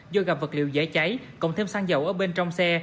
do gặp vật liệu dễ cháy cộng thêm xăng dầu ở bên trong xe